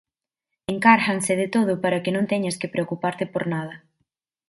Encárganse de todo para que non teñas que preocuparte por nada.